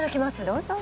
どうぞ。